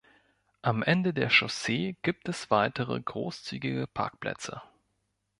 Am Ende der Chaussee gibt es weitere großzügige Parkplätze.